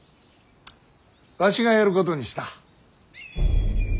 わしがやることにした。